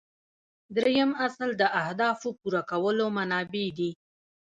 دریم اصل د اهدافو پوره کولو منابع دي.